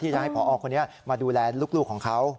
จะให้พอคนนี้มาดูแลลูกของเขา